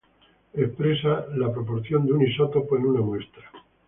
Expresan la proporción de un isótopo en una muestra.